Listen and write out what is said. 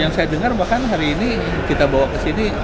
yang saya dengar bahkan hari ini kita bawa ke sini